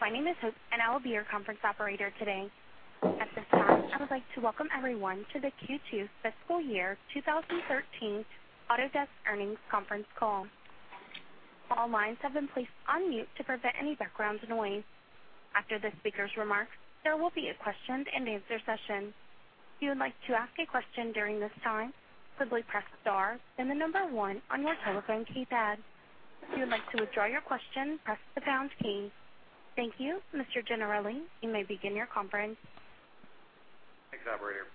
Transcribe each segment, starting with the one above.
My name is Hope. I will be your conference operator today. At this time, I would like to welcome everyone to the Q2 fiscal year 2013 Autodesk Earnings Conference Call. All lines have been placed on mute to prevent any background noise. After the speakers' remarks, there will be a question-and-answer session. If you would like to ask a question during this time, quickly press star then the number one on your telephone keypad. If you would like to withdraw your question, press the pound key. Thank you, Mr. Gennarelli. You may begin your conference. Thanks, operator.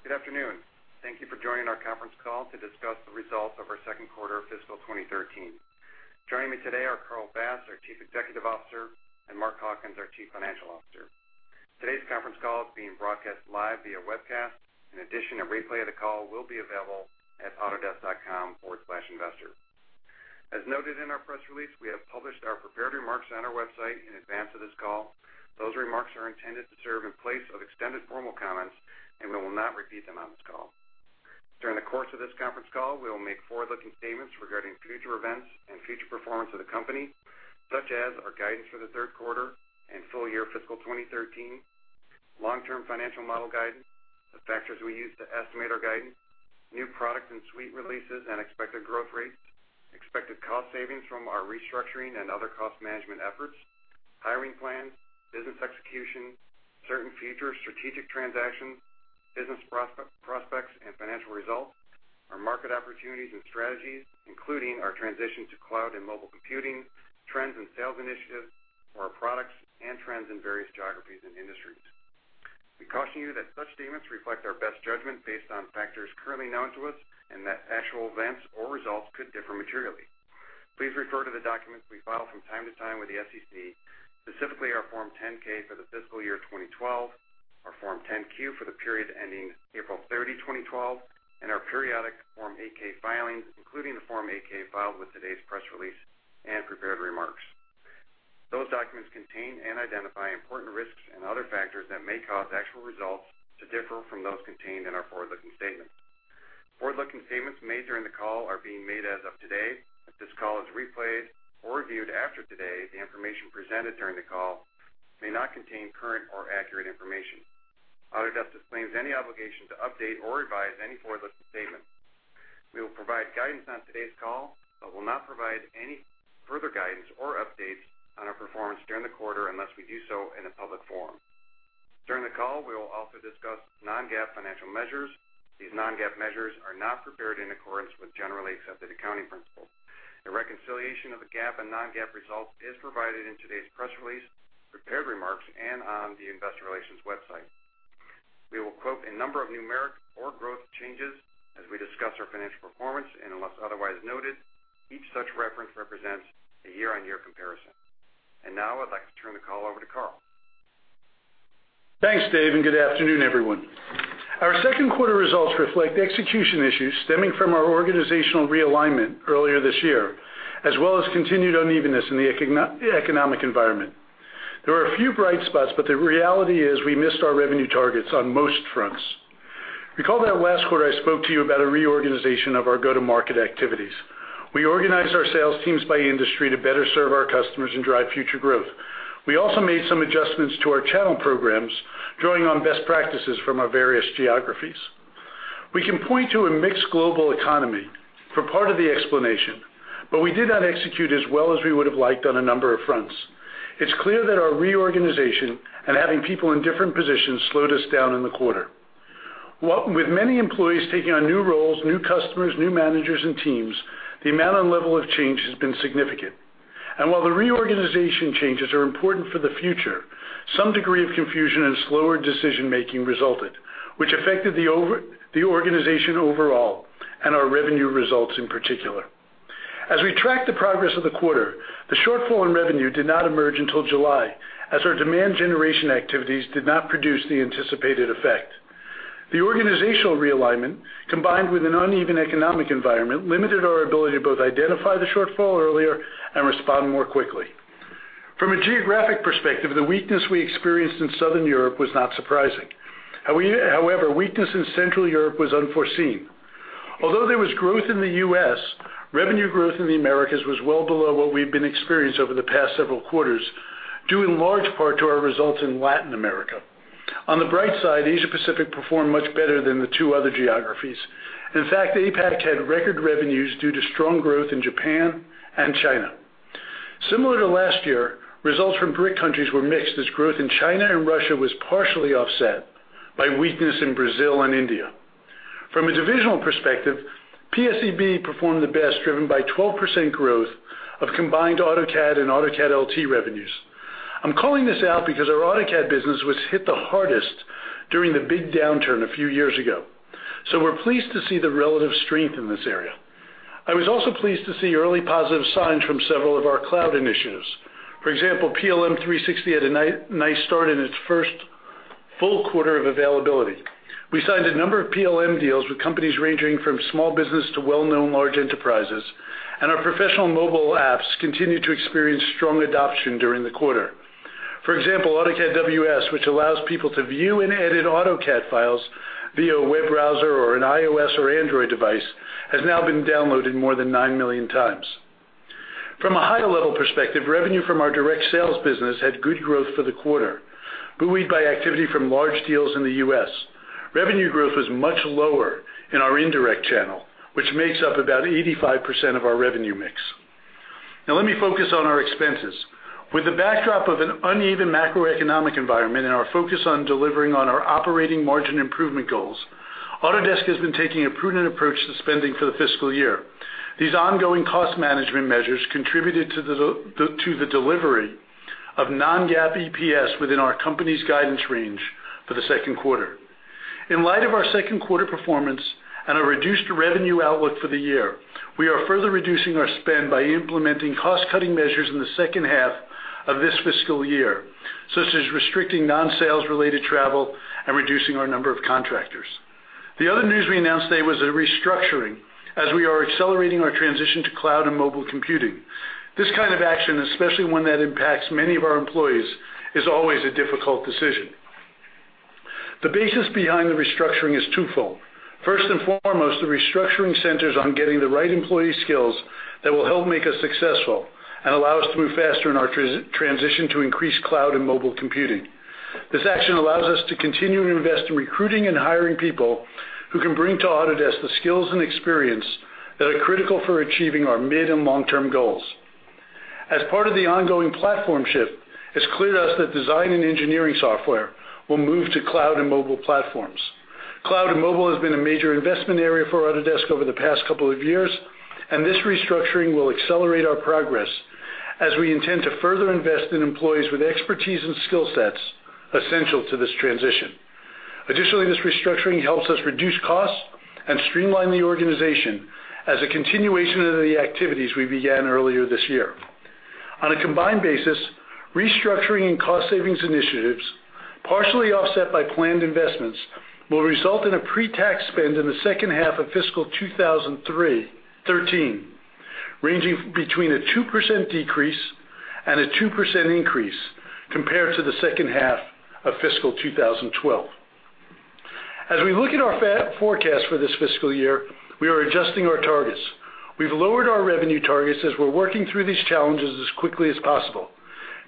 Good afternoon. Thank you for joining our conference call to discuss the results of our second quarter of fiscal 2013. Joining me today are Carl Bass, our Chief Executive Officer, and Mark Hawkins, our Chief Financial Officer. Today's conference call is being broadcast live via webcast. In addition, a replay of the call will be available at autodesk.com/investor. As noted in our press release, we have published our prepared remarks on our website in advance of this call. Those remarks are intended to serve in place of extended formal comments. We will not repeat them on this call. During the course of this conference call, we will make forward-looking statements regarding future events and future performance of the company, such as our guidance for the third quarter and full year fiscal 2013, long-term financial model guidance, the factors we use to estimate our guidance, new product and suite releases and expected growth rates, expected cost savings from our restructuring and other cost management efforts, hiring plans, business execution, certain future strategic transactions, business prospects and financial results, our market opportunities and strategies, including our transition to cloud and mobile computing, trends and sales initiatives for our products, and trends in various geographies and industries. We caution you that such statements reflect our best judgment based on factors currently known to us. Actual events or results could differ materially. Please refer to the documents we file from time to time with the SEC, specifically our Form 10-K for the fiscal year 2012, our Form 10-Q for the period ending April 30, 2012, our periodic Form 8-K filings, including the Form 8-K filed with today's press release and prepared remarks. Those documents contain and identify important risks and other factors that may cause actual results to differ from those contained in our forward-looking statements. Forward-looking statements made during the call are being made as of today. If this call is replayed or reviewed after today, the information presented during the call may not contain current or accurate information. Autodesk disclaims any obligation to update or revise any forward-looking statements. We will provide guidance on today's call but will not provide any further guidance or updates on our performance during the quarter unless we do so in a public forum. During the call, we will also discuss non-GAAP financial measures. These non-GAAP measures are not prepared in accordance with generally accepted accounting principles. A reconciliation of the GAAP and non-GAAP results is provided in today's press release, prepared remarks, and on the investor relations website. We will quote a number of numeric or growth changes as we discuss our financial performance, and unless otherwise noted, each such reference represents a year-on-year comparison. Now I'd like to turn the call over to Carl. Thanks, Dave, good afternoon, everyone. Our second quarter results reflect execution issues stemming from our organizational realignment earlier this year, as well as continued unevenness in the economic environment. There are a few bright spots, the reality is we missed our revenue targets on most fronts. Recall that last quarter, I spoke to you about a reorganization of our go-to-market activities. We organized our sales teams by industry to better serve our customers and drive future growth. We also made some adjustments to our channel programs, drawing on best practices from our various geographies. We can point to a mixed global economy for part of the explanation, we did not execute as well as we would have liked on a number of fronts. It's clear that our reorganization and having people in different positions slowed us down in the quarter. With many employees taking on new roles, new customers, new managers, and teams, the amount and level of change has been significant. While the reorganization changes are important for the future, some degree of confusion and slower decision-making resulted, which affected the organization overall and our revenue results in particular. As we tracked the progress of the quarter, the shortfall in revenue did not emerge until July, as our demand generation activities did not produce the anticipated effect. The organizational realignment, combined with an uneven economic environment, limited our ability to both identify the shortfall earlier and respond more quickly. From a geographic perspective, the weakness we experienced in Southern Europe was not surprising. However, weakness in Central Europe was unforeseen. Although there was growth in the U.S., revenue growth in the Americas was well below what we've been experiencing over the past several quarters, due in large part to our results in Latin America. On the bright side, Asia-Pacific performed much better than the two other geographies. In fact, APAC had record revenues due to strong growth in Japan and China. Similar to last year, results from BRIC countries were mixed as growth in China and Russia was partially offset by weakness in Brazil and India. From a divisional perspective, PSEB performed the best, driven by 12% growth of combined AutoCAD and AutoCAD LT revenues. I'm calling this out because our AutoCAD business was hit the hardest during the big downturn a few years ago. We're pleased to see the relative strength in this area. I was also pleased to see early positive signs from several of our cloud initiatives. For example, PLM 360 had a nice start in its first full quarter of availability. We signed a number of PLM deals with companies ranging from small business to well-known large enterprises, and our professional mobile apps continued to experience strong adoption during the quarter. For example, AutoCAD WS, which allows people to view and edit AutoCAD files via a web browser or an iOS or Android device, has now been downloaded more than nine million times. From a high-level perspective, revenue from our direct sales business had good growth for the quarter, buoyed by activity from large deals in the U.S. Revenue growth was much lower in our indirect channel, which makes up about 85% of our revenue mix. Let me focus on our expenses. With the backdrop of an uneven macroeconomic environment and our focus on delivering on our operating margin improvement goals, Autodesk has been taking a prudent approach to spending for the fiscal year. These ongoing cost management measures contributed to the delivery of non-GAAP EPS within our company's guidance range for the second quarter. In light of our second quarter performance and our reduced revenue outlook for the year, we are further reducing our spend by implementing cost-cutting measures in the second half of this fiscal year, such as restricting non-sales-related travel and reducing our number of contractors. The other news we announced today was a restructuring as we are accelerating our transition to cloud and mobile computing. This kind of action, especially one that impacts many of our employees, is always a difficult decision. The basis behind the restructuring is twofold. First and foremost, the restructuring centers on getting the right employee skills that will help make us successful and allow us to move faster in our transition to increased cloud and mobile computing. This action allows us to continue to invest in recruiting and hiring people who can bring to Autodesk the skills and experience that are critical for achieving our mid- and long-term goals. As part of the ongoing platform shift, it's clear to us that design and engineering software will move to cloud and mobile platforms. Cloud and mobile has been a major investment area for Autodesk over the past couple of years, and this restructuring will accelerate our progress as we intend to further invest in employees with expertise and skill sets essential to this transition. This restructuring helps us reduce costs and streamline the organization as a continuation of the activities we began earlier this year. On a combined basis, restructuring and cost savings initiatives, partially offset by planned investments, will result in a pre-tax spend in the second half of fiscal 2013 ranging between a 2% decrease and a 2% increase compared to the second half of fiscal 2012. As we look at our forecast for this fiscal year, we are adjusting our targets. We've lowered our revenue targets as we're working through these challenges as quickly as possible.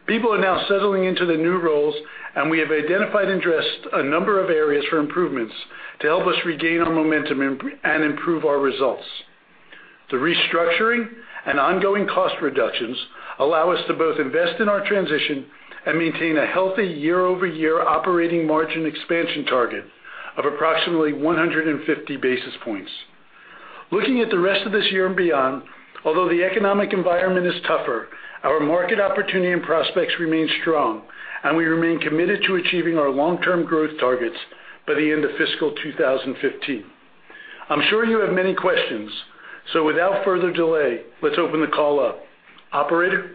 People are now settling into the new roles, and we have identified and addressed a number of areas for improvements to help us regain our momentum and improve our results. The restructuring and ongoing cost reductions allow us to both invest in our transition and maintain a healthy year-over-year operating margin expansion target of approximately 150 basis points. Looking at the rest of this year and beyond, although the economic environment is tougher, our market opportunity and prospects remain strong, and we remain committed to achieving our long-term growth targets by the end of fiscal 2015. I'm sure you have many questions, without further delay, let's open the call up. Operator?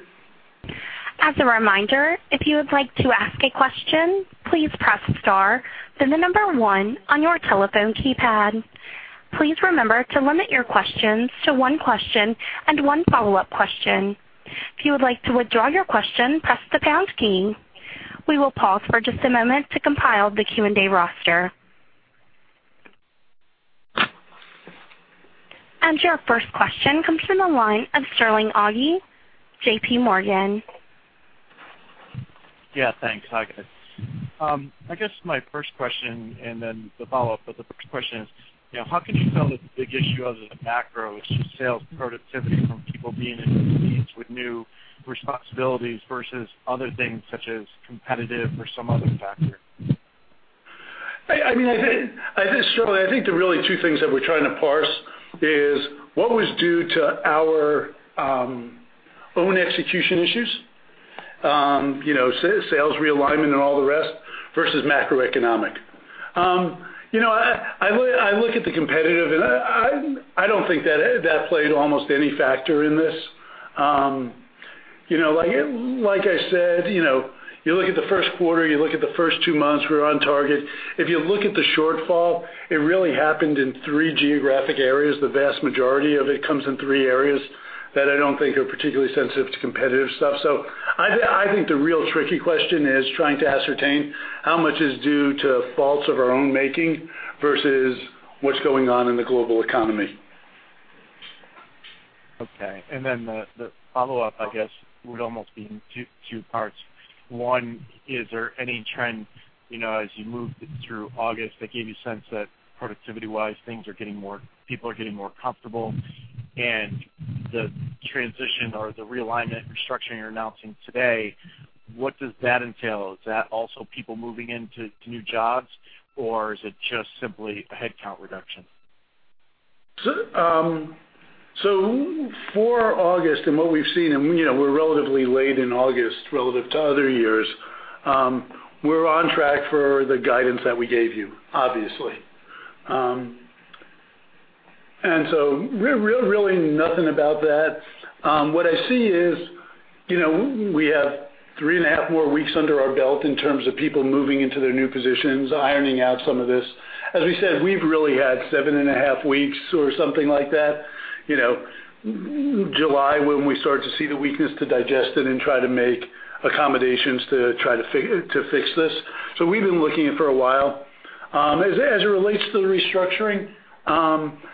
As a reminder, if you would like to ask a question, please press star, then the number one on your telephone keypad. Please remember to limit your questions to one question and one follow-up question. If you would like to withdraw your question, press the pound key. We will pause for just a moment to compile the Q&A roster. Your first question comes from the line of Sterling Auty, J.P. Morgan. Yeah, thanks. Hi, guys. I guess my first question and then the follow-up, the first question is, how can you tell that the big issue other than macro is just sales productivity from people being in new seats with new responsibilities versus other things such as competitive or some other factor? Sterling, I think the really two things that we're trying to parse is what was due to our own execution issues, sales realignment and all the rest, versus macroeconomic. I look at the competitive, I don't think that played almost any factor in this. Like I said, you look at the first quarter, you look at the first two months, we were on target. If you look at the shortfall, it really happened in three geographic areas. The vast majority of it comes in three areas that I don't think are particularly sensitive to competitive stuff. I think the real tricky question is trying to ascertain how much is due to faults of our own making versus what's going on in the global economy. Okay, the follow-up, I guess, would almost be in two parts. One, is there any trend as you moved through August that gave you a sense that productivity-wise, people are getting more comfortable and the transition or the realignment, restructuring you're announcing today, what does that entail? Is that also people moving into new jobs, or is it just simply a headcount reduction? For August and what we've seen, and we're relatively late in August relative to other years, we're on track for the guidance that we gave you, obviously. Really nothing about that. What I see is we have three and a half more weeks under our belt in terms of people moving into their new positions, ironing out some of this. As we said, we've really had seven and a half weeks or something like that. July, when we started to see the weakness to digest it and try to make accommodations to try to fix this. We've been looking at it for a while. As it relates to the restructuring,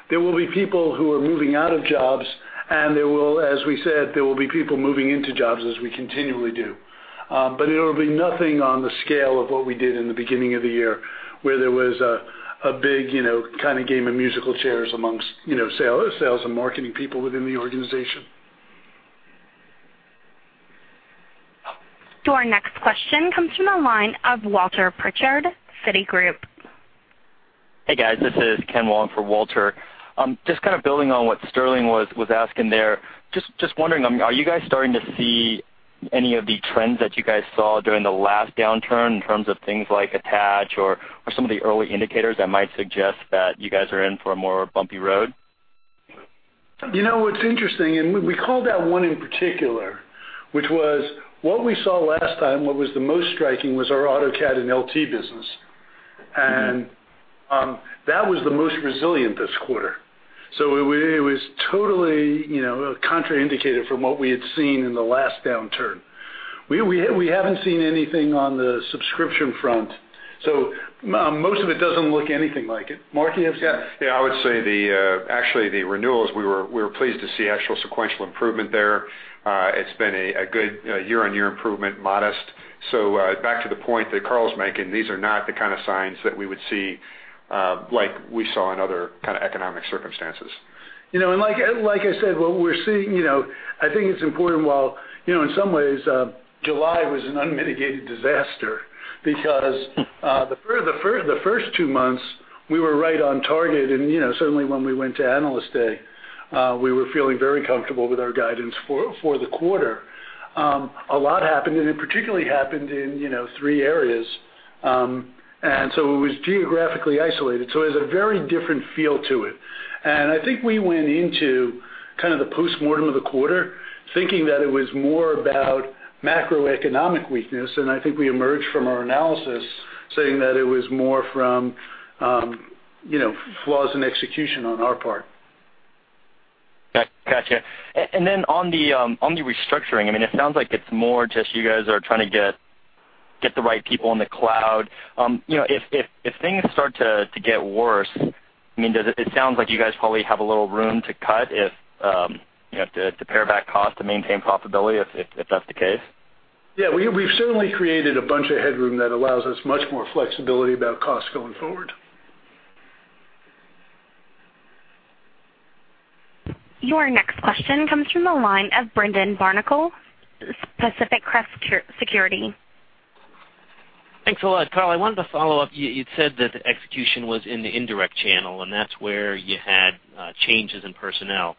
there will be people who are moving out of jobs, and as we said, there will be people moving into jobs as we continually do. It'll be nothing on the scale of what we did in the beginning of the year, where there was a big kind of game of musical chairs amongst sales and marketing people within the organization. Our next question comes from the line of Walter Pritchard, Citigroup. Hey, guys. This is Kenneth Wong for Walter. Just building on what Sterling was asking there. Just wondering, are you guys starting to see any of the trends that you guys saw during the last downturn in terms of things like attach or some of the early indicators that might suggest that you guys are in for a more bumpy road? You know, it's interesting. We called out one in particular, which was what we saw last time, what was the most striking was our AutoCAD and LT business. That was the most resilient this quarter. It was totally contrary indicator from what we had seen in the last downturn. We haven't seen anything on the subscription front. Most of it doesn't look anything like it. Mark, you have seen? Yeah, I would say actually the renewals, we were pleased to see actual sequential improvement there. It's been a good year-on-year improvement, modest. Back to the point that Carl's making, these are not the kind of signs that we would see like we saw in other kind of economic circumstances. Like I said, what we're seeing, I think it's important while, in some ways, July was an unmitigated disaster because the first two months we were right on target. Certainly when we went to Analyst Day, we were feeling very comfortable with our guidance for the quarter. A lot happened. It particularly happened in three areas. It was geographically isolated, so it has a very different feel to it. I think we went into the postmortem of the quarter thinking that it was more about macroeconomic weakness. I think we emerged from our analysis saying that it was more from flaws in execution on our part. Gotcha. On the restructuring, it sounds like it is more just you guys are trying to get the right people in the cloud. If things start to get worse, it sounds like you guys probably have a little room to cut if to pair back cost to maintain profitability if that is the case. We have certainly created a bunch of headroom that allows us much more flexibility about cost going forward. Your next question comes from the line of Brendan Barnicle, Pacific Crest Securities. Thanks a lot. Carl, I wanted to follow up. You had said that execution was in the indirect channel, and that is where you had changes in personnel.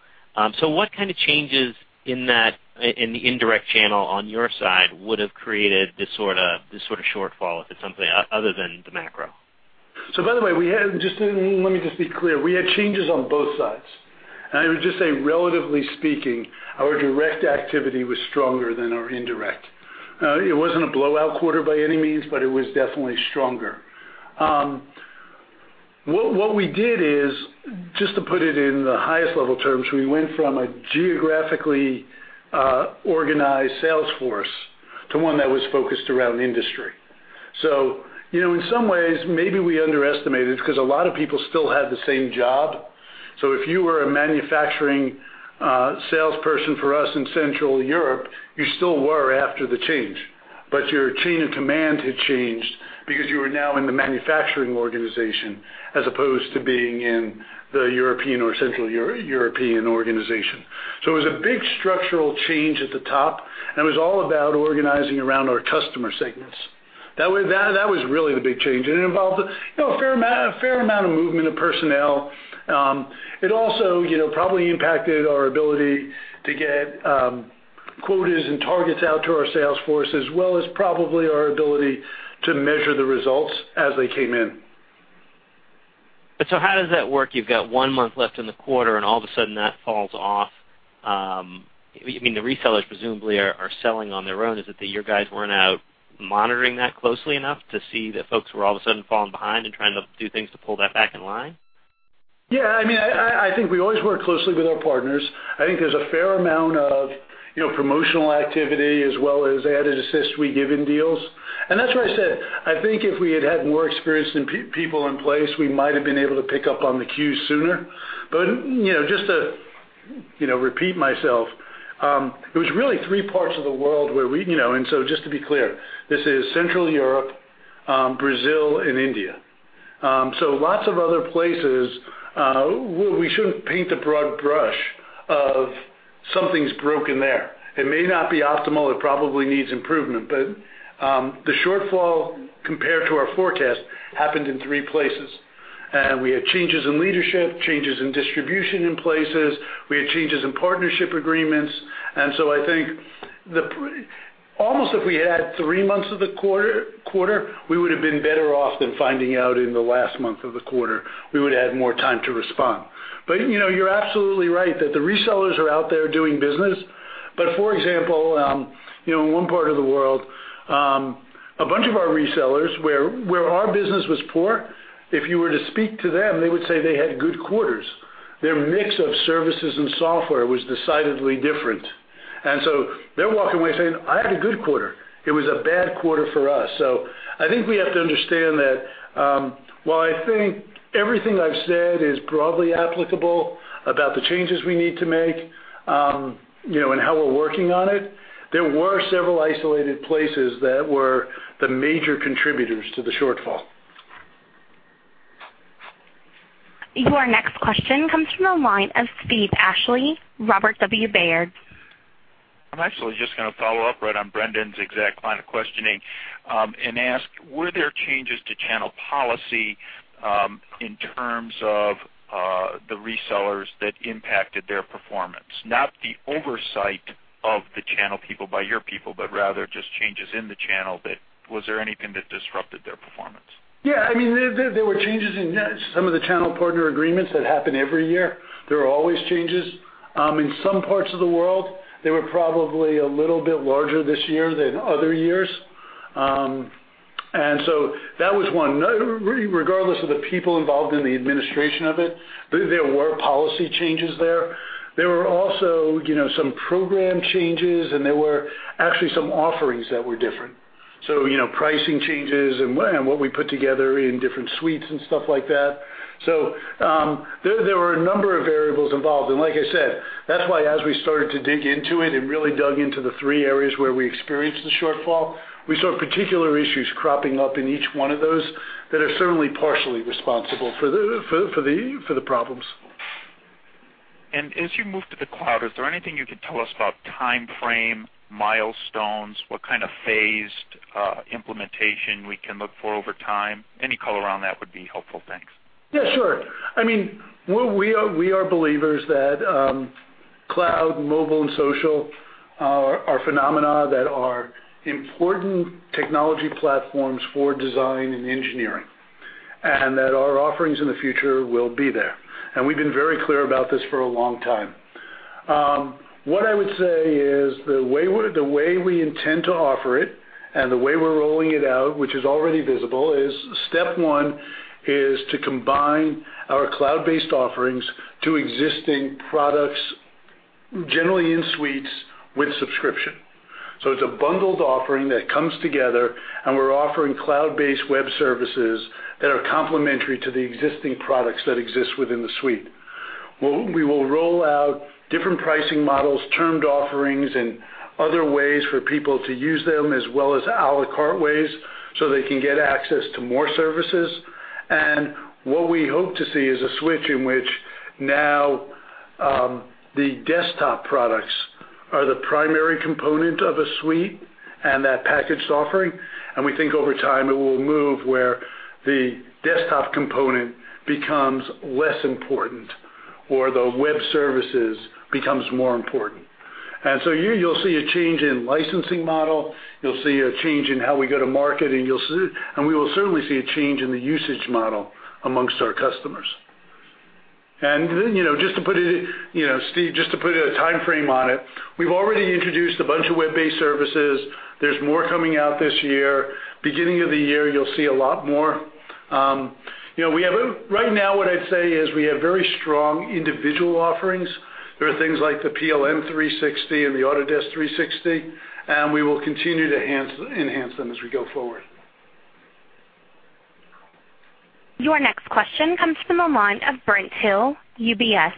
What kind of changes in the indirect channel on your side would have created this sort of shortfall if it is something other than the macro? By the way, let me just be clear. We had changes on both sides. I would just say, relatively speaking, our direct activity was stronger than our indirect. It wasn't a blowout quarter by any means, but it was definitely stronger. What we did is, just to put it in the highest level terms, we went from a geographically organized sales force to one that was focused around industry. In some ways, maybe we underestimated it because a lot of people still had the same job. If you were a manufacturing salesperson for us in Central Europe, you still were after the change. Your chain of command had changed because you were now in the manufacturing organization as opposed to being in the European or Central European organization. It was a big structural change at the top, and it was all about organizing around our customer segments. That was really the big change. It involved a fair amount of movement of personnel. It also probably impacted our ability to get quotas and targets out to our sales force as well as probably our ability to measure the results as they came in. How does that work? You've got one month left in the quarter, and all of a sudden that falls off. The resellers presumably are selling on their own. Is it that your guys weren't out monitoring that closely enough to see that folks were all of a sudden falling behind and trying to do things to pull that back in line? I think we always work closely with our partners. I think there's a fair amount of promotional activity as well as added assist we give in deals. That's why I said I think if we had had more experienced people in place, we might've been able to pick up on the queues sooner. Just to repeat myself, it was really three parts of the world. Just to be clear, this is Central Europe, Brazil, and India. Lots of other places, we shouldn't paint the broad brush of something's broken there. It may not be optimal. It probably needs improvement. The shortfall compared to our forecast happened in three places. We had changes in leadership, changes in distribution in places. We had changes in partnership agreements. I think almost if we had 3 months of the quarter, we would've been better off than finding out in the last month of the quarter. We would've had more time to respond. You're absolutely right that the resellers are out there doing business. For example, in one part of the world, a bunch of our resellers where our business was poor, if you were to speak to them, they would say they had good quarters. Their mix of services and software was decidedly different. They're walking away saying, "I had a good quarter." It was a bad quarter for us. I think we have to understand that, while I think everything I've said is broadly applicable about the changes we need to make, and how we're working on it, there were several isolated places that were the major contributors to the shortfall. Your next question comes from the line of Steven Ashley, Robert W. Baird. I'm actually just going to follow up right on Brendan's exact line of questioning, and ask, were there changes to channel policy, in terms of the resellers that impacted their performance? Not the oversight of the channel people by your people, but rather just changes in the channel that. Was there anything that disrupted their performance? Yeah. There were changes in some of the channel partner agreements that happen every year. There are always changes. In some parts of the world, they were probably a little bit larger this year than other years. That was one. Regardless of the people involved in the administration of it, there were policy changes there. There were also some program changes, and there were actually some offerings that were different. Pricing changes and what we put together in different suites and stuff like that. There were a number of variables involved. Like I said, that's why as we started to dig into it and really dug into the 3 areas where we experienced the shortfall, we saw particular issues cropping up in each one of those that are certainly partially responsible for the problems. As you move to the cloud, is there anything you can tell us about timeframe, milestones, what kind of phased implementation we can look for over time? Any color on that would be helpful. Thanks. Yeah, sure. We are believers that cloud, mobile, and social are phenomena that are important technology platforms for design and engineering, and that our offerings in the future will be there. We've been very clear about this for a long time. What I would say is the way we intend to offer it and the way we're rolling it out, which is already visible, is step 1, is to combine our cloud-based offerings to existing products, generally in suites with subscription. It's a bundled offering that comes together, and we're offering cloud-based web services that are complementary to the existing products that exist within the suite. We will roll out different pricing models, termed offerings, and other ways for people to use them, as well as à la carte ways so they can get access to more services. What we hope to see is a switch in which now the desktop products are the primary component of a suite and that packaged offering. We think over time it will move where the desktop component becomes less important, or the web services becomes more important. You'll see a change in licensing model, you'll see a change in how we go to market, and we will certainly see a change in the usage model amongst our customers. Steve, just to put a timeframe on it, we've already introduced a bunch of web-based services. There's more coming out this year. Beginning of the year, you'll see a lot more. Right now, what I'd say is we have very strong individual offerings. There are things like the PLM 360 and the Autodesk 360, and we will continue to enhance them as we go forward. Your next question comes from the line of Brent Thill, UBS.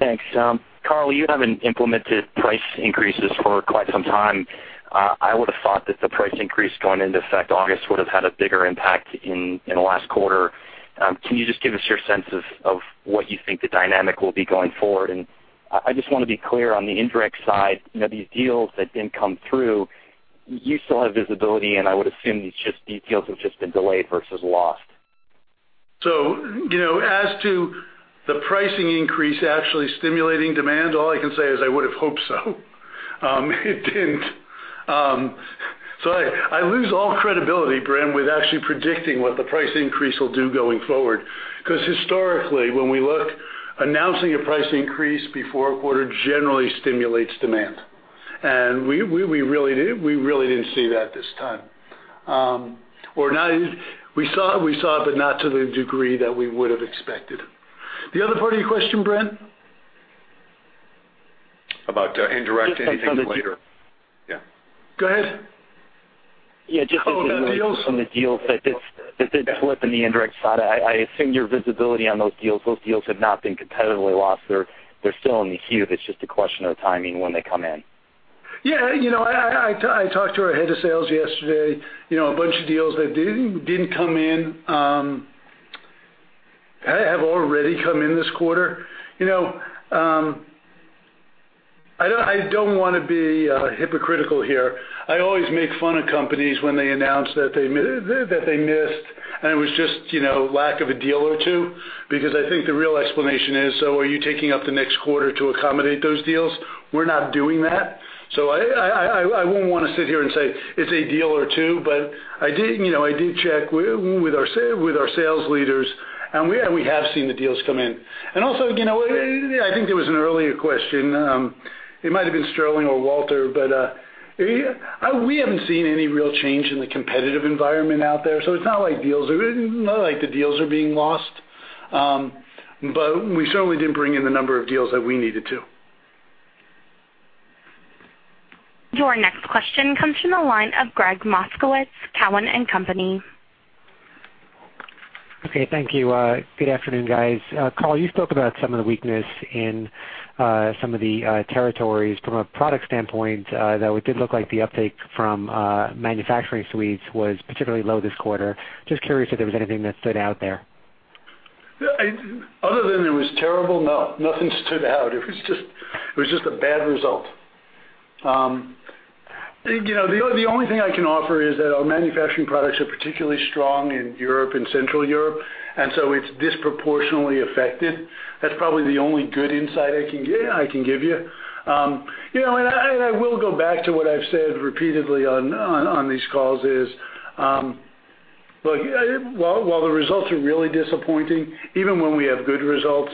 Thanks. Carl, you haven't implemented price increases for quite some time. I would've thought that the price increase going into effect August would've had a bigger impact in the last quarter. Can you just give us your sense of what you think the dynamic will be going forward? I just want to be clear on the indirect side, these deals that didn't come through, you still have visibility, and I would assume these deals have just been delayed versus lost. As to the pricing increase actually stimulating demand, all I can say is I would've hoped so. It didn't. I lose all credibility, Brent, with actually predicting what the price increase will do going forward. Historically, when we look, announcing a price increase before a quarter generally stimulates demand, and we really didn't see that this time. We saw it, but not to the degree that we would've expected. The other part of your question, Brent? About indirect, anything later. Yeah. Go ahead. Yeah. Oh, the deals on the deals that didn't flip in the indirect side, I assume your visibility on those deals, those deals have not been competitively lost. They're still in the queue, but it's just a question of timing when they come in. Yeah. I talked to our head of sales yesterday. A bunch of deals that didn't come in have already come in this quarter. I don't want to be hypocritical here. I always make fun of companies when they announce that they missed, and it was just lack of a deal or two, because I think the real explanation is, are you taking up the next quarter to accommodate those deals? We're not doing that. I won't want to sit here and say it's a deal or two, but I did check with our sales leaders, and we have seen the deals come in. Also, I think there was an earlier question. It might've been Sterling or Walter. We haven't seen any real change in the competitive environment out there, it's not like the deals are being lost. We certainly didn't bring in the number of deals that we needed to. Your next question comes from the line of Gregg Moskowitz, Cowen and Company. Okay, thank you. Good afternoon, guys. Carl, you spoke about some of the weakness in some of the territories from a product standpoint, though it did look like the uptake from manufacturing suites was particularly low this quarter. Just curious if there was anything that stood out there. Other than it was terrible, no, nothing stood out. It was just a bad result. The only thing I can offer is that our manufacturing products are particularly strong in Europe and Central Europe, and so it's disproportionately affected. That's probably the only good insight I can give you. I will go back to what I've said repeatedly on these calls is, while the results are really disappointing, even when we have good results,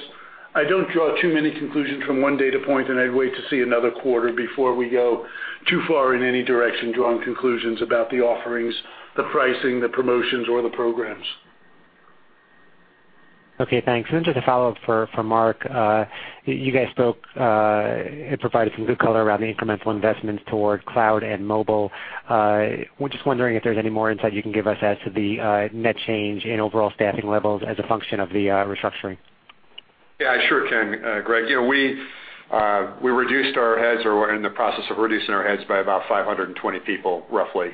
I don't draw too many conclusions from one data point, and I'd wait to see another quarter before we go too far in any direction drawing conclusions about the offerings, the pricing, the promotions, or the programs. Okay, thanks. Just a follow-up for Mark. You guys spoke and provided some good color around the incremental investments toward cloud and mobile. I was just wondering if there's any more insight you can give us as to the net change in overall staffing levels as a function of the restructuring. Yeah, I sure can, Gregg. We reduced our heads or we're in the process of reducing our heads by about 520 people, roughly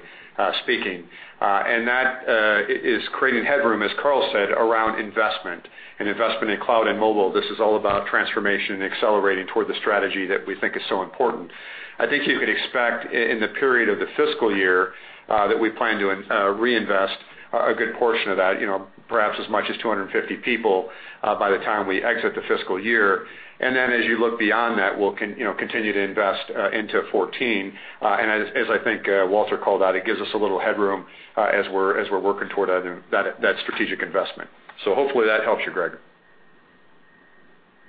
speaking. That is creating headroom, as Carl said, around investment. In investment in cloud and mobile, this is all about transformation and accelerating toward the strategy that we think is so important. I think you could expect in the period of the fiscal year, that we plan to reinvest a good portion of that, perhaps as much as 250 people, by the time we exit the fiscal year. As you look beyond that, we'll continue to invest into 2014. As I think Walter called out, it gives us a little headroom as we're working toward that strategic investment. Hopefully that helps you, Gregg.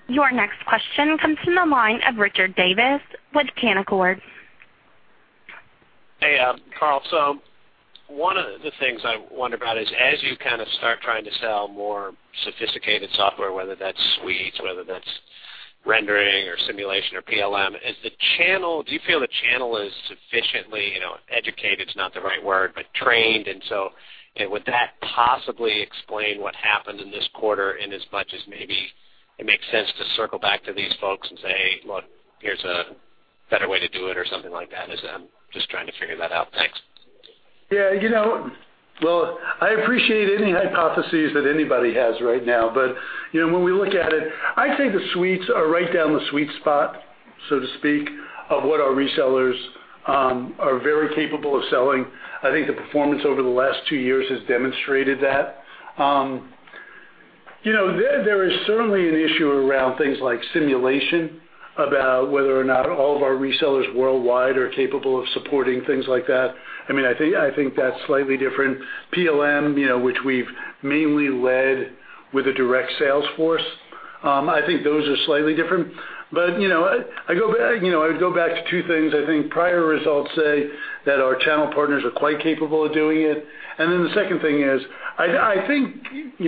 Your next question comes from the line of Richard Davis with Canaccord Genuity. Hey, Carl. One of the things I wonder about is, as you kind of start trying to sell more sophisticated software, whether that's suites, whether that's rendering or simulation or PLM, do you feel the channel is sufficiently, educated's not the right word, but trained? Would that possibly explain what happened in this quarter in as much as maybe it makes sense to circle back to these folks and say, "Look, here's a better way to do it," or something like that? Just trying to figure that out. Thanks. Yeah. Well, I appreciate any hypotheses that anybody has right now. When we look at it, I think the suites are right down the sweet spot, so to speak, of what our resellers are very capable of selling. I think the performance over the last two years has demonstrated that. There is certainly an issue around things like simulation, about whether or not all of our resellers worldwide are capable of supporting things like that. I think that's slightly different. PLM, which we've mainly led with a direct sales force. I think those are slightly different. I would go back to two things. I think prior results say that our channel partners are quite capable of doing it. The second thing is, I think,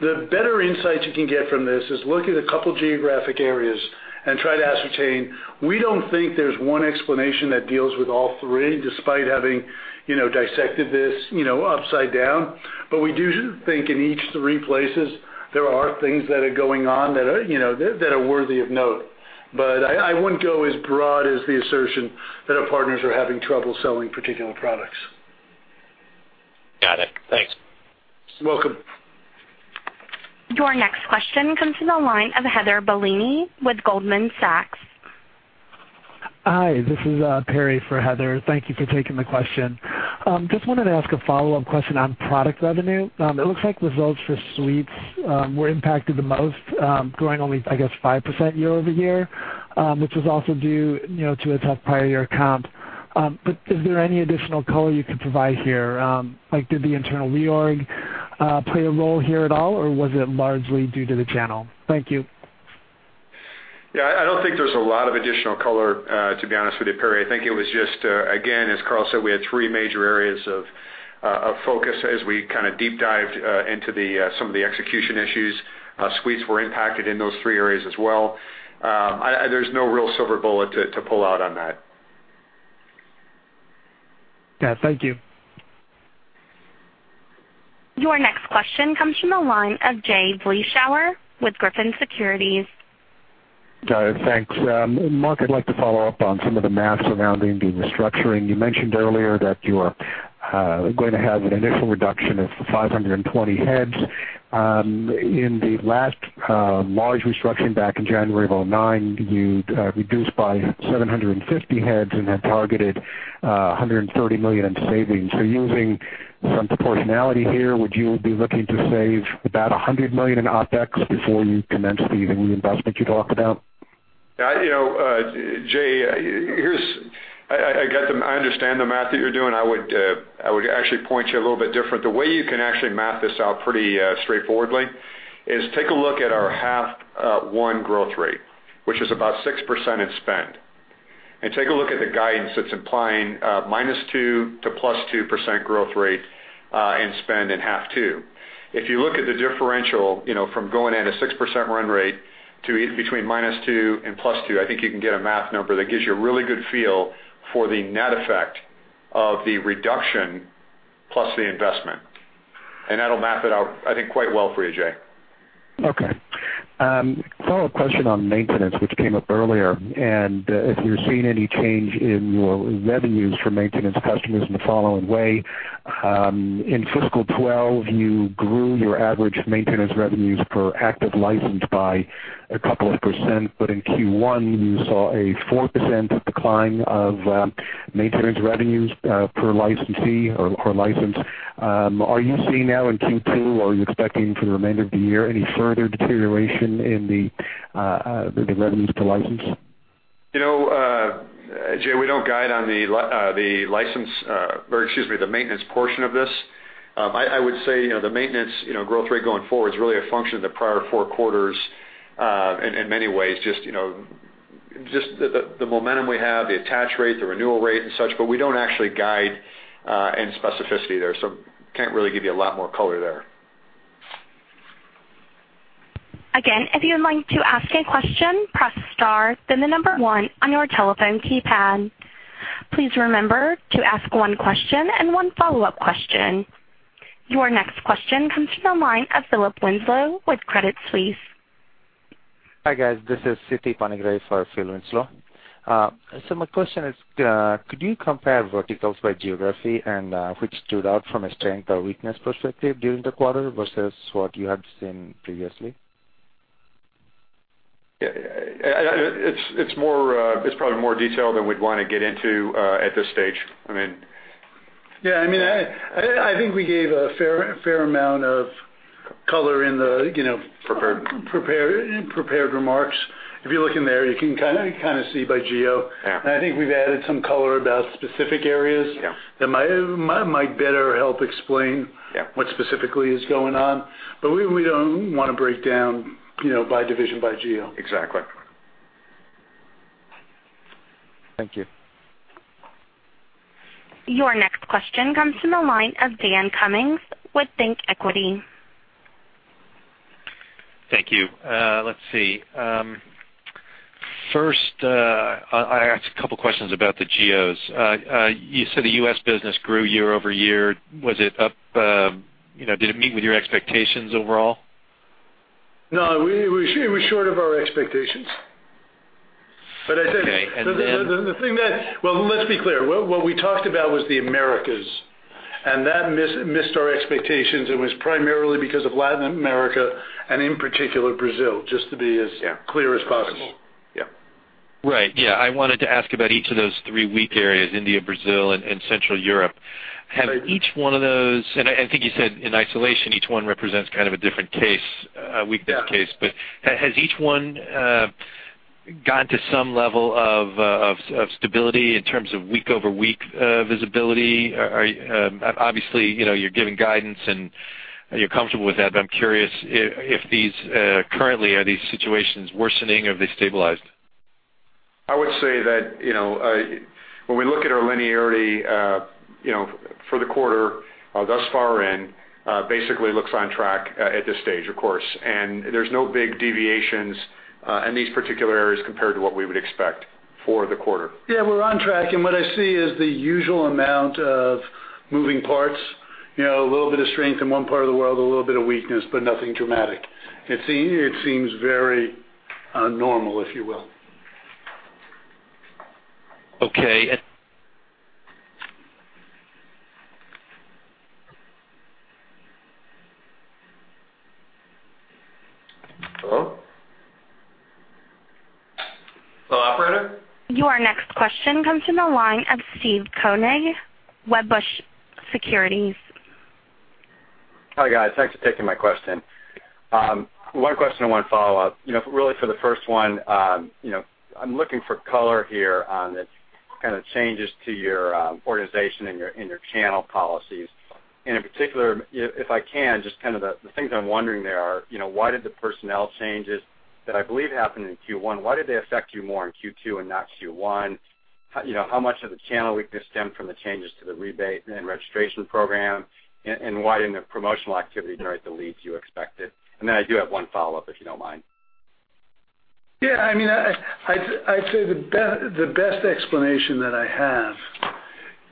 the better insights you can get from this is look at a couple of geographic areas and try to ascertain. We don't think there's one explanation that deals with all three, despite having dissected this upside down. We do think in each three places, there are things that are going on that are worthy of note. I wouldn't go as broad as the assertion that our partners are having trouble selling particular products. Got it. Thanks. You're welcome. Your next question comes from the line of Heather Bellini with Goldman Sachs. Hi, this is Perry for Heather. Thank you for taking the question. Just wanted to ask a follow-up question on product revenue. It looks like results for suites were impacted the most, growing only, I guess, 5% year-over-year, which was also due to a tough prior year comp. Is there any additional color you could provide here? Like, did the internal reorg play a role here at all, or was it largely due to the channel? Thank you. Yeah. I don't think there's a lot of additional color, to be honest with you, Perry. I think it was just, again, as Carl said, we had three major areas of focus as we kind of deep dived into some of the execution issues. Suites were impacted in those three areas as well. There's no real silver bullet to pull out on that. Yeah. Thank you. Your next question comes from the line of Jay Vleeschhouwer with Griffin Securities. Jay, thanks. Mark, I'd like to follow up on some of the math surrounding the restructuring. You mentioned earlier that you're going to have an initial reduction of 520 heads. In the last large restructuring back in January of 2009, you reduced by 750 heads and had targeted $130 million in savings. Using some proportionality here, would you be looking to save about $100 million in OpEx before you commence the new investment you talked about? Jay, I understand the math that you're doing. I would actually point you a little bit different. The way you can actually math this out pretty straightforwardly, take a look at our half one growth rate, which is about 6% in spend. Take a look at the guidance that's implying a -2% to +2% growth rate, in spend in half two. If you look at the differential from going at a 6% run rate to between -2 and +2, I think you can get a math number that gives you a really good feel for the net effect of the reduction plus the investment. That'll map it out, I think, quite well for you, Jay. Okay. Follow-up question on maintenance, which came up earlier, and if you're seeing any change in your revenues for maintenance customers in the following way. In fiscal 2012, you grew your average maintenance revenues per active license by a couple of %. But in Q1, you saw a 4% decline of maintenance revenues per licensee or license. Are you seeing now in Q2, are you expecting for the remainder of the year any further deterioration in the revenues per license? Jay, we don't guide on the license, or excuse me, the maintenance portion of this. I would say, the maintenance growth rate going forward is really a function of the prior four quarters, in many ways, just the momentum we have, the attach rate, the renewal rate and such, but we don't actually guide any specificity there. Can't really give you a lot more color there. Again, if you'd like to ask a question, press star, then the number one on your telephone keypad. Please remember to ask one question and one follow-up question. Your next question comes from the line of Philip Winslow with Credit Suisse. Hi, guys. This is Siti Panigrahi for Phil Winslow. My question is, could you compare verticals by geography and, which stood out from a strength or weakness perspective during the quarter versus what you had seen previously? It's probably more detailed than we'd want to get into, at this stage. I mean Yeah, I think we gave a fair amount of color in the- Prepared. -prepared remarks. If you look in there, you can kind of see by geo. Yeah. I think we've added some color about specific areas- Yeah that might better help explain- Yeah what specifically is going on. We don't want to break down by division, by geo. Exactly. Thank you. Your next question comes from the line of Dan Cummings with ThinkEquity. Thank you. Let's see. First, I'll ask a couple questions about the geos. You said the U.S. business grew year-over-year. Did it meet with your expectations overall? No, it was short of our expectations. Okay. Well, let's be clear. What we talked about was the Americas, and that missed our expectations and was primarily because of Latin America and in particular Brazil, just to be as- Yeah clear as possible. Yeah. Right. Yeah. I wanted to ask about each of those three weak areas, India, Brazil, and Central Europe. Right. Have each one of those, and I think you said in isolation, each one represents kind of a different case, a weakness case. Yeah Has each one, gotten to some level of stability in terms of week-over-week visibility? Obviously, you're giving guidance and you're comfortable with that, but I'm curious if these, currently, are these situations worsening or have they stabilized? I would say that, when we look at our linearity for the quarter thus far in, basically looks on track at this stage, of course, and there's no big deviations in these particular areas compared to what we would expect for the quarter. Yeah, we're on track, what I see is the usual amount of moving parts. A little bit of strength in one part of the world, a little bit of weakness, nothing dramatic. It seems very normal, if you will. Okay. Hello? Hello, operator? Your next question comes from the line of Steve Koenig, Wedbush Securities. Hi, guys. Thanks for taking my question. One question and one follow-up. Really for the first one, I'm looking for color here on the kind of changes to your organization and your channel policies. In particular, if I can, just kind of the things I'm wondering there are, why did the personnel changes, that I believe happened in Q1, why did they affect you more in Q2 and not Q1? How much of the channel weakness stemmed from the changes to the rebate and registration program? Why didn't the promotional activity generate the leads you expected? Then I do have one follow-up, if you don't mind. I'd say the best explanation that I have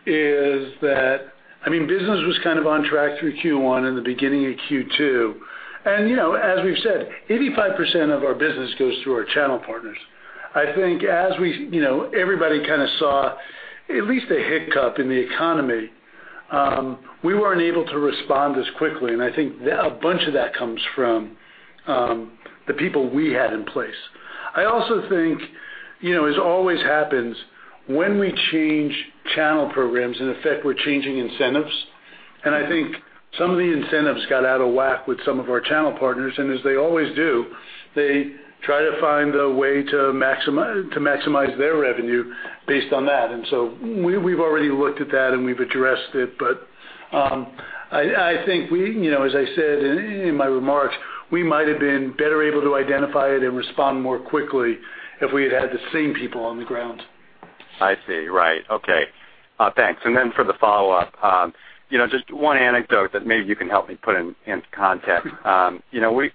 is that, business was kind of on track through Q1 and the beginning of Q2. As we've said, 85% of our business goes through our channel partners. I think as everybody kind of saw at least a hiccup in the economy. We weren't able to respond as quickly, and I think a bunch of that comes from the people we had in place. I also think, as always happens when we change channel programs, in effect, we're changing incentives, and I think some of the incentives got out of whack with some of our channel partners, and as they always do, they try to find a way to maximize their revenue based on that. We've already looked at that, and we've addressed it. I think, as I said in my remarks, we might have been better able to identify it and respond more quickly if we had the same people on the ground. I see. Right. Okay. Thanks. For the follow-up, just one anecdote that maybe you can help me put into context.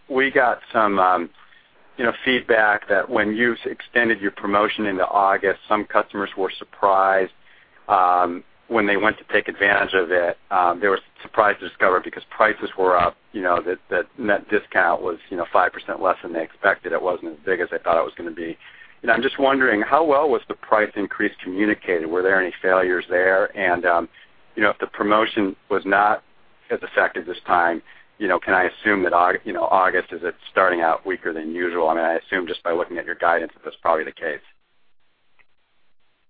We got some feedback that when you extended your promotion into August, some customers were surprised when they went to take advantage of it. They were surprised to discover because prices were up, that net discount was 5% less than they expected. It wasn't as big as they thought it was going to be. I'm just wondering, how well was the price increase communicated? Were there any failures there? If the promotion was not as effective this time, can I assume that August is starting out weaker than usual? I assume just by looking at your guidance that that's probably the case.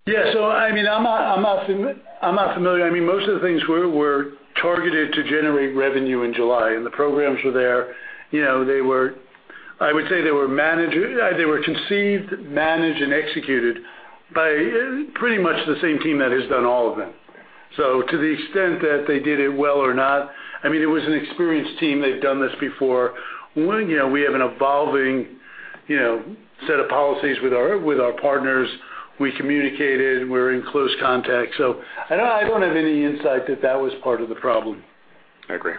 Yeah. I'm not familiar. Most of the things were targeted to generate revenue in July, the programs were there. I would say they were conceived, managed, and executed by pretty much the same team that has done all of them. To the extent that they did it well or not, it was an experienced team. They've done this before. We have an evolving set of policies with our partners. We communicated, we're in close contact. I don't have any insight that that was part of the problem. I agree.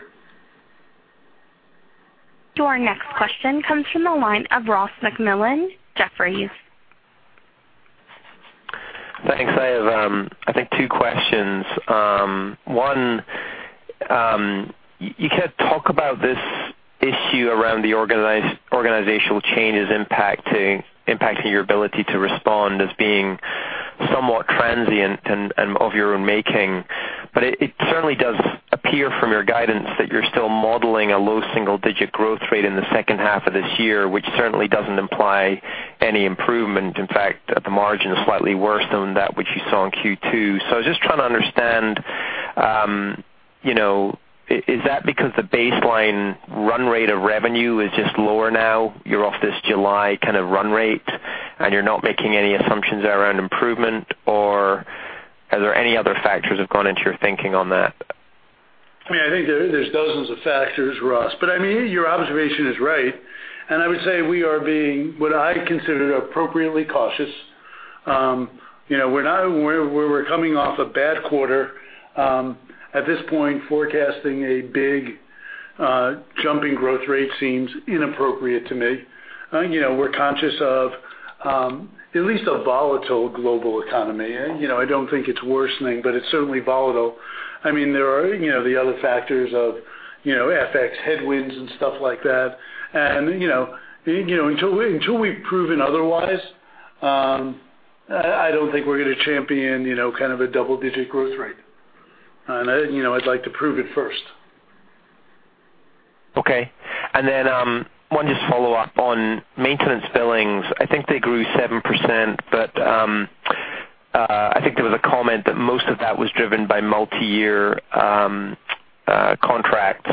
Your next question comes from the line of Ross MacMillan, Jefferies. Thanks. I have, I think two questions. One, you talk about this issue around the organizational changes impacting your ability to respond as being somewhat transient and of your own making. It certainly does appear from your guidance that you're still modeling a low single-digit growth rate in the second half of this year, which certainly doesn't imply any improvement. In fact, at the margin is slightly worse than that which you saw in Q2. I was just trying to understand, is that because the baseline run rate of revenue is just lower now, you're off this July run rate, and you're not making any assumptions around improvement? Or are there any other factors that have gone into your thinking on that? I think there's dozens of factors, Ross. Your observation is right, and I would say we are being, what I consider, appropriately cautious. We're coming off a bad quarter. At this point, forecasting a big jumping growth rate seems inappropriate to me. We're conscious of at least a volatile global economy. I don't think it's worsening, but it's certainly volatile. There are the other factors of FX headwinds and stuff like that. Until we've proven otherwise, I don't think we're going to champion a double-digit growth rate. I'd like to prove it first. One just follow up on maintenance billings. I think they grew 7%, but I think there was a comment that most of that was driven by multi-year contracts.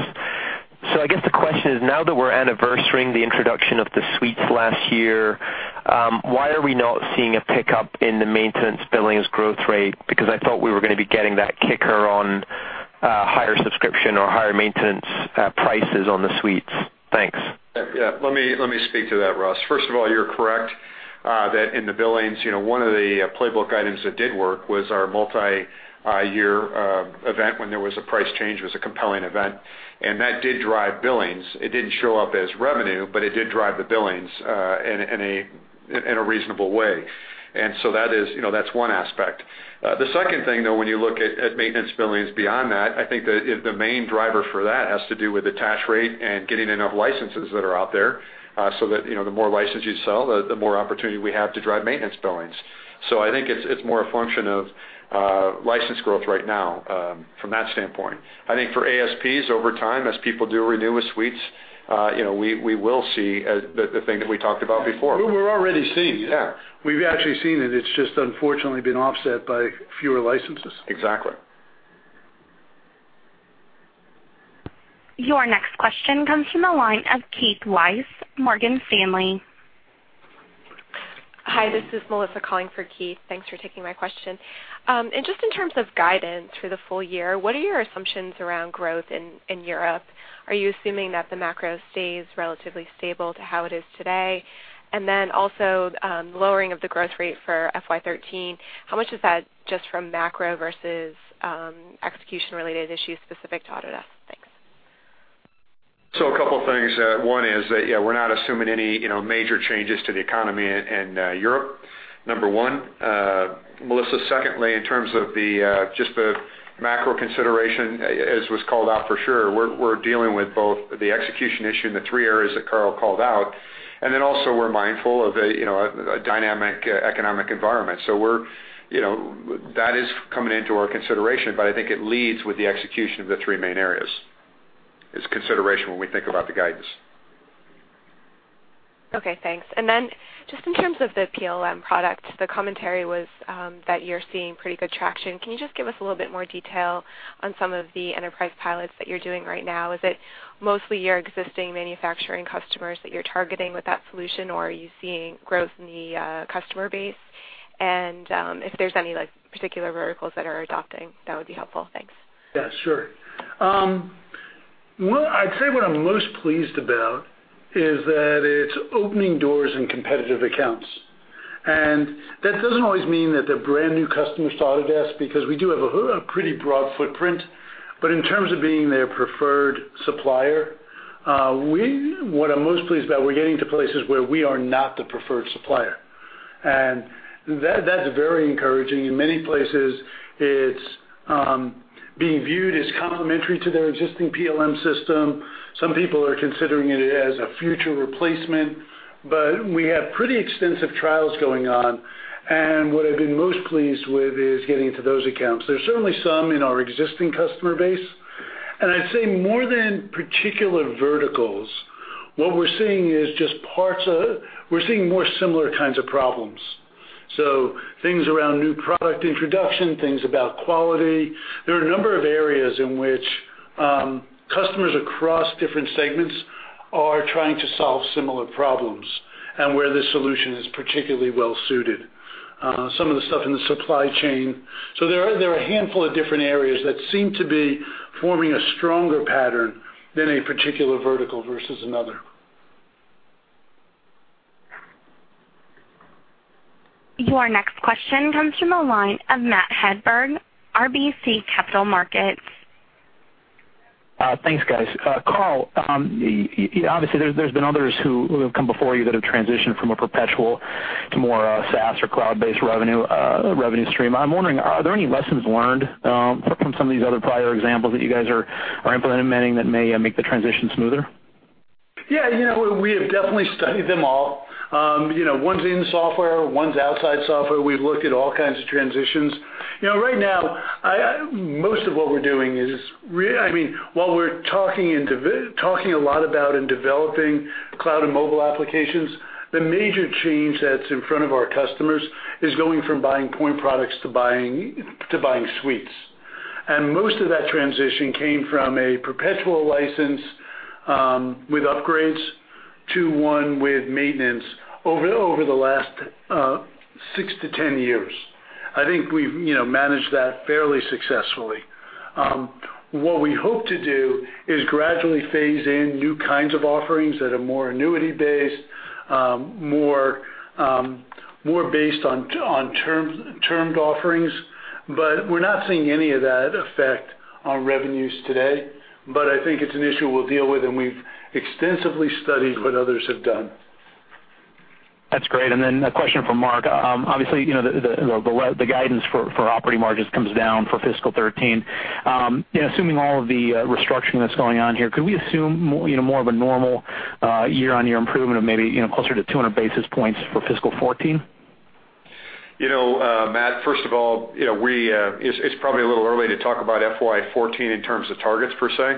I guess the question is, now that we're anniversarying the introduction of the suites last year, why are we not seeing a pickup in the maintenance billings growth rate? I thought we were going to be getting that kicker on higher subscription or higher maintenance prices on the suites. Thanks. Yeah. Let me speak to that, Ross. First of all, you're correct that in the billings, one of the playbook items that did work was our multi-year event when there was a price change, it was a compelling event. That did drive billings. It didn't show up as revenue, but it did drive the billings in a reasonable way. That's one aspect. The second thing, though, when you look at maintenance billings beyond that, I think that the main driver for that has to do with attach rate and getting enough licenses that are out there, so that the more licenses you sell, the more opportunity we have to drive maintenance billings. I think it's more a function of license growth right now from that standpoint. I think for ASPs over time, as people do renew with suites, we will see the thing that we talked about before. We're already seeing it. Yeah. We've actually seen it. It's just unfortunately been offset by fewer licenses. Exactly. Your next question comes from the line of Keith Weiss, Morgan Stanley. Hi, this is Melissa calling for Keith. Thanks for taking my question. Just in terms of guidance for the full year, what are your assumptions around growth in Europe? Are you assuming that the macro stays relatively stable to how it is today? Also, lowering of the growth rate for FY 2013, how much is that just from macro versus execution-related issues specific to Autodesk? Thanks. A couple things. One is that, yeah, we're not assuming any major changes to the economy in Europe, number one. Melissa, secondly, in terms of just the macro consideration, as was called out for sure, we're dealing with both the execution issue and the three areas that Carl called out, and then also we're mindful of a dynamic economic environment. That is coming into our consideration, but I think it leads with the execution of the three main areas. It's consideration when we think about the guidance. Okay, thanks. Just in terms of the PLM product, the commentary was that you're seeing pretty good traction. Can you just give us a little bit more detail on some of the enterprise pilots that you're doing right now? Is it mostly your existing manufacturing customers that you're targeting with that solution, or are you seeing growth in the customer base? If there's any particular verticals that are adopting, that would be helpful. Thanks. Yeah, sure. I'd say what I'm most pleased about is that it's opening doors in competitive accounts. That doesn't always mean that the brand-new customer started us, because we do have a pretty broad footprint, but in terms of being their preferred supplier, what I'm most pleased about, we're getting to places where we are not the preferred supplier. That's very encouraging. In many places, it's being viewed as complementary to their existing PLM system. Some people are considering it as a future replacement. We have pretty extensive trials going on, and what I've been most pleased with is getting into those accounts. There's certainly some in our existing customer base. I'd say more than particular verticals, what we're seeing is just We're seeing more similar kinds of problems. Things around new product introduction, things about quality. There are a number of areas in which customers across different segments are trying to solve similar problems, and where this solution is particularly well-suited. Some of the stuff in the supply chain. There are a handful of different areas that seem to be forming a stronger pattern than a particular vertical versus another. Your next question comes from the line of Matthew Hedberg, RBC Capital Markets. Thanks, guys. Carl, obviously, there's been others who have come before you that have transitioned from a perpetual to more SaaS or cloud-based revenue stream. I'm wondering, are there any lessons learned from some of these other prior examples that you guys are implementing that may make the transition smoother? Yeah. We have definitely studied them all. One's in software, one's outside software. We've looked at all kinds of transitions. Right now, most of what we're doing is, while we're talking a lot about and developing cloud and mobile applications, the major change that's in front of our customers is going from buying point products to buying suites. Most of that transition came from a perpetual license, with upgrades to one with maintenance over the last six to 10 years. I think we've managed that fairly successfully. What we hope to do is gradually phase in new kinds of offerings that are more annuity-based, more based on termed offerings. We're not seeing any of that effect on revenues today. I think it's an issue we'll deal with, and we've extensively studied what others have done. That's great. Then a question for Mark. Obviously, the guidance for operating margins comes down for fiscal 2013. Assuming all of the restructuring that's going on here, could we assume more of a normal year-on-year improvement of maybe closer to 200 basis points for fiscal 2014? Matt, first of all, it's probably a little early to talk about FY 2014 in terms of targets, per se.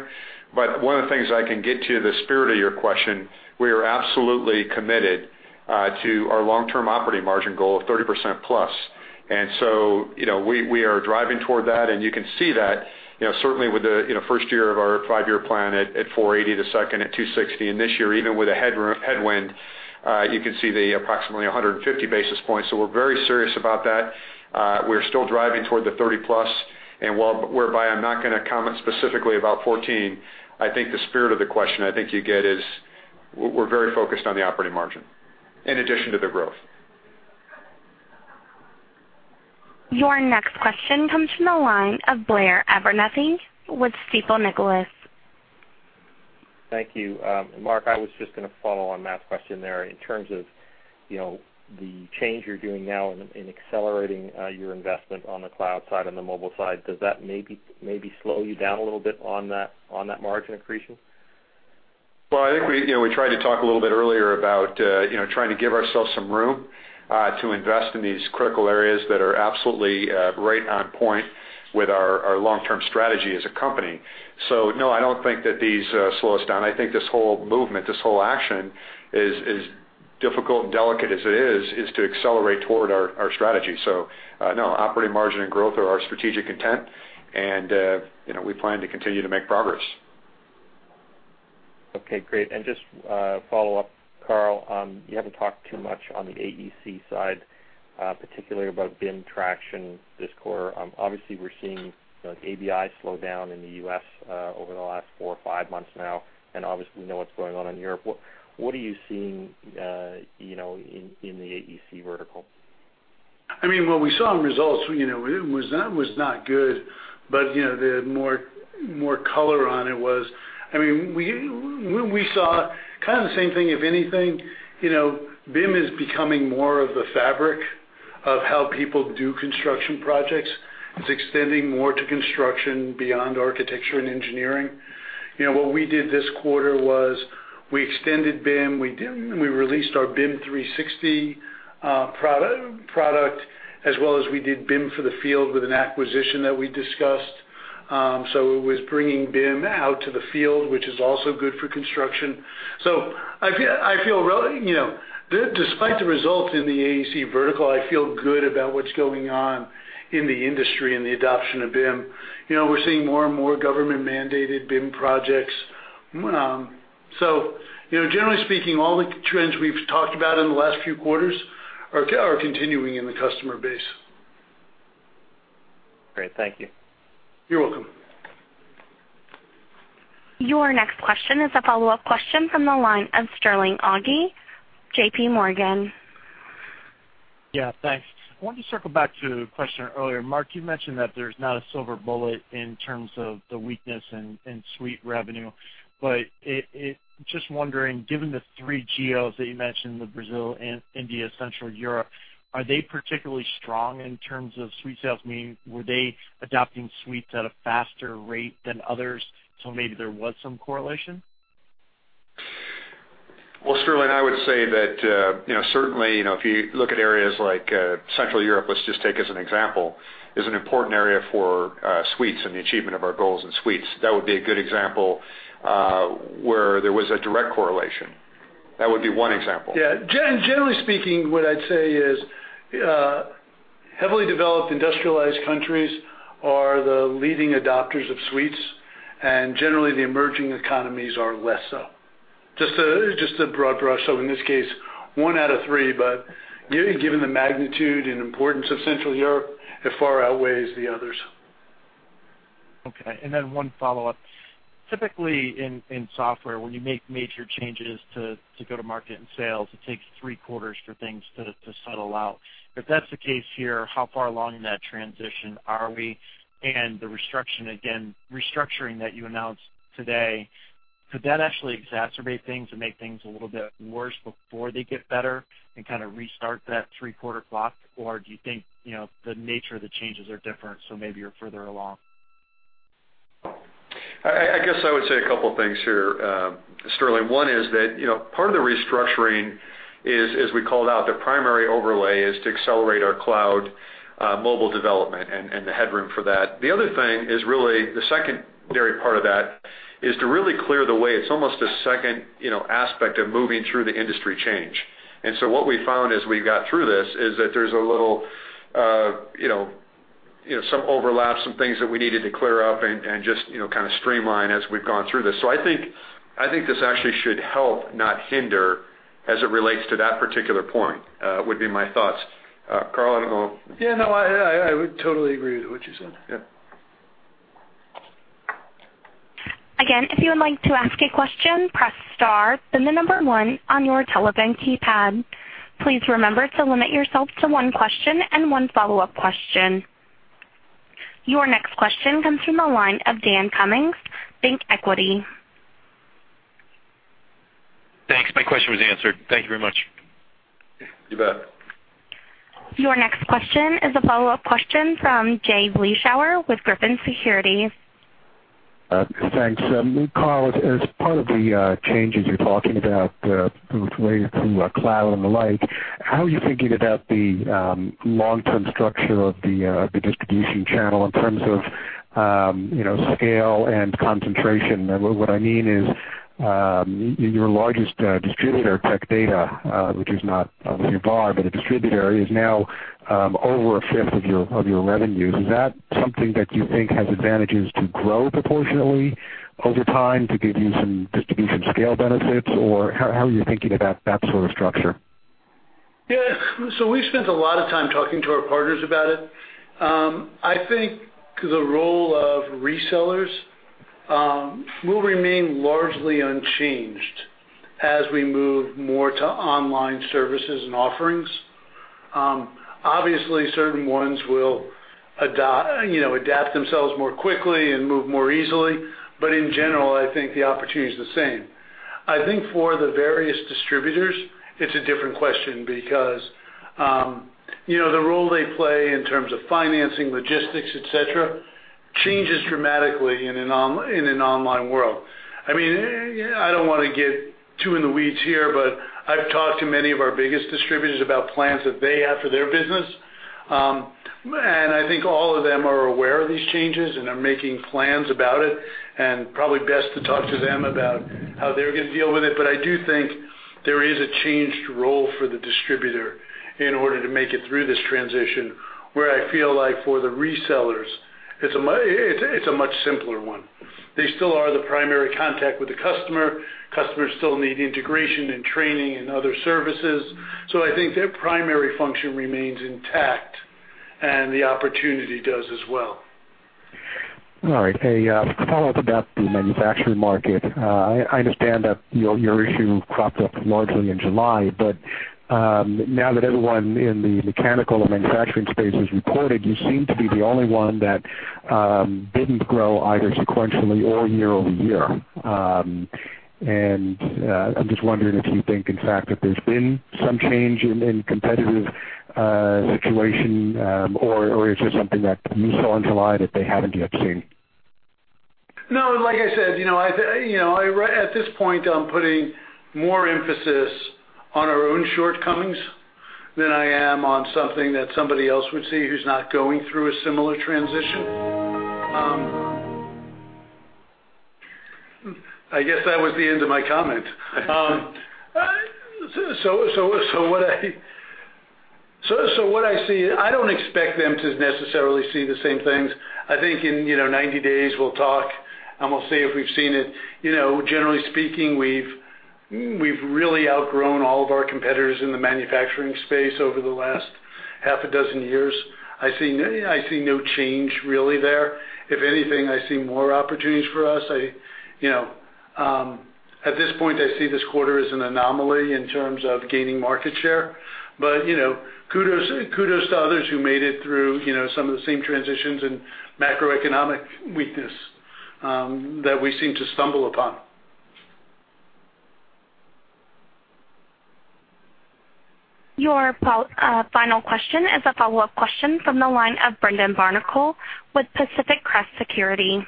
One of the things I can get to the spirit of your question, we are absolutely committed to our long-term operating margin goal of 30% plus. We are driving toward that, and you can see that certainly with the first year of our five-year plan at 480, the second at 260. This year, even with a headwind, you can see the approximately 150 basis points. We're very serious about that. We're still driving toward the 30 plus, and whereby I'm not going to comment specifically about 2014, I think the spirit of the question, I think you get is, we're very focused on the operating margin in addition to the growth. Your next question comes from the line of Blair Abernethy with Stifel Nicolaus. Thank you. Mark, I was just going to follow on Matt's question there. In terms of the change you're doing now in accelerating your investment on the cloud side and the mobile side, does that maybe slow you down a little bit on that margin accretion? I think we tried to talk a little bit earlier about trying to give ourselves some room to invest in these critical areas that are absolutely right on point with our long-term strategy as a company. No, I don't think that these slow us down. I think this whole movement, this whole action, as difficult and delicate as it is to accelerate toward our strategy. No, operating margin and growth are our strategic intent, and we plan to continue to make progress. Okay, great. Just follow up, Carl, you haven't talked too much on the AEC side, particularly about BIM traction this quarter. Obviously, we're seeing ABI slow down in the U.S. over the last four or five months now, obviously, we know what's going on in Europe. What are you seeing in the AEC vertical? What we saw in results was not good, the more color on it was, we saw kind of the same thing. If anything, BIM is becoming more of the fabric of how people do construction projects. It's extending more to construction beyond architecture and engineering. What we did this quarter was we extended BIM. We released our BIM 360 product, as well as we did BIM for the field with an acquisition that we discussed. It was bringing BIM out to the field, which is also good for construction. I feel despite the results in the AEC vertical, I feel good about what's going on in the industry and the adoption of BIM. We're seeing more and more government-mandated BIM projects. Generally speaking, all the trends we've talked about in the last few quarters are continuing in the customer base. Great. Thank you. You're welcome. Your next question is a follow-up question from the line of Sterling Auty, J.P. Morgan. Yeah, thanks. I wanted to circle back to a question earlier. Mark, you mentioned that there's not a silver bullet in terms of the weakness in suite revenue. Just wondering, given the three geos that you mentioned, the Brazil, India, Central Europe, are they particularly strong in terms of suite sales? Meaning, were they adopting suites at a faster rate than others, so maybe there was some correlation? Well, Sterling, I would say that, certainly, if you look at areas like Central Europe, let's just take as an example, is an important area for suites and the achievement of our goals in suites. That would be a good example where there was a direct correlation. That would be one example. Yeah. Generally speaking, what I'd say is, heavily developed industrialized countries are the leading adopters of suites, and generally, the emerging economies are less so. Just a broad brush stroke in this case, one out of three, given the magnitude and importance of Central Europe, it far outweighs the others. Okay. Then one follow-up. Typically, in software, when you make major changes to go to market in sales, it takes three quarters for things to settle out. If that's the case here, how far along in that transition are we? The restructuring that you announced today, could that actually exacerbate things and make things a little bit worse before they get better and kind of restart that three-quarter clock? Do you think the nature of the changes are different, so maybe you're further along? I guess I would say a couple of things here, Sterling. One is that part of the restructuring is, as we called out, the primary overlay is to accelerate our cloud mobile development and the headroom for that. The other thing is really the secondary part of that is to really clear the way. It's almost a second aspect of moving through the industry change. What we found as we got through this is that there's some overlaps, some things that we needed to clear up and just kind of streamline as we've gone through this. I think this actually should help, not hinder, as it relates to that particular point, would be my thoughts. Carl, I don't know. Yeah, no, I would totally agree with what you said. Yeah. Again, if you would like to ask a question, press star, then the number one on your telephone keypad. Please remember to limit yourself to one question and one follow-up question. Your next question comes from the line of Dan Cummings, ThinkEquity. Thanks. My question was answered. Thank you very much. You bet. Your next question is a follow-up question from Jay Vleeschhouwer with Griffin Securities. Thanks. Carl, as part of the changes you are talking about through cloud and the like, how are you thinking about the long-term structure of the distribution channel in terms of scale and concentration? What I mean is, your largest distributor, Tech Data, which is not with your VAR, but a distributor, is now over a fifth of your revenues. Is that something that you think has advantages to grow proportionately over time to give you some distribution scale benefits, or how are you thinking about that sort of structure? Yeah. We spent a lot of time talking to our partners about it. I think the role of resellers will remain largely unchanged as we move more to online services and offerings. Obviously, certain ones will adapt themselves more quickly and move more easily. In general, I think the opportunity is the same. I think for the various distributors, it's a different question because the role they play in terms of financing, logistics, et cetera, changes dramatically in an online world. I don't want to get too in the weeds here, but I've talked to many of our biggest distributors about plans that they have for their business. I think all of them are aware of these changes and are making plans about it, and probably best to talk to them about how they're going to deal with it. I do think there is a changed role for the distributor in order to make it through this transition. Where I feel like for the resellers, it's a much simpler one. They still are the primary contact with the customer. Customers still need integration and training and other services. I think their primary function remains intact, and the opportunity does as well. All right. A follow-up about the manufacturing market. I understand that your issue cropped up largely in July, but now that everyone in the mechanical and manufacturing space has reported, you seem to be the only one that didn't grow either sequentially or year-over-year. I'm just wondering if you think, in fact, that there's been some change in competitive situation, or is there something that you saw in July that they haven't yet seen? No, like I said, at this point, I'm putting more emphasis on our own shortcomings than I am on something that somebody else would see who's not going through a similar transition. I guess that was the end of my comment. What I see, I don't expect them to necessarily see the same things. I think in 90 days we'll talk and we'll see if we've seen it. Generally speaking, we've really outgrown all of our competitors in the manufacturing space over the last half a dozen years. I see no change really there. If anything, I see more opportunities for us. At this point, I see this quarter as an anomaly in terms of gaining market share. Kudos to others who made it through some of the same transitions and macroeconomic weakness that we seem to stumble upon. Your final question is a follow-up question from the line of Brendan Barnicle with Pacific Crest Securities.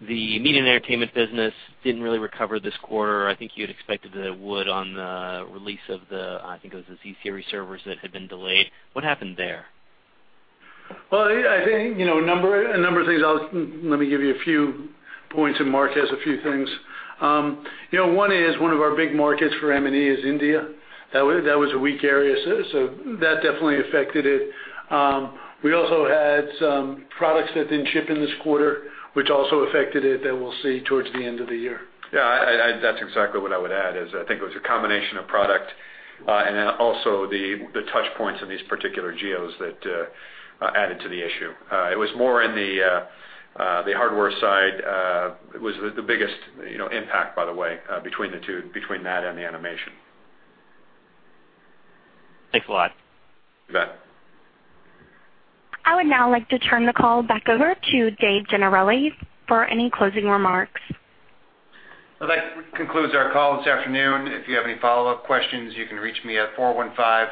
The media and entertainment business didn't really recover this quarter. I think you had expected it would on the release of the, I think it was the Z-series servers that had been delayed. What happened there? I think a number of things. Let me give you a few points, and Mark has a few things. One is one of our big markets for M&E is India. That was a weak area, so that definitely affected it. We also had some products that didn't ship in this quarter, which also affected it, that we'll see towards the end of the year. That's exactly what I would add, is I think it was a combination of product and then also the touch points in these particular geos that added to the issue. It was more in the hardware side. It was the biggest impact, by the way, between the two, between that and the animation. Thanks a lot. You bet. I would now like to turn the call back over to Dave Gennarelli for any closing remarks. Well, that concludes our call this afternoon. If you have any follow-up questions, you can reach me at 415-507-6033.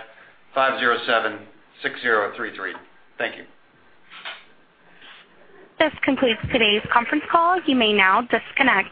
Thank you. This completes today's conference call. You may now disconnect.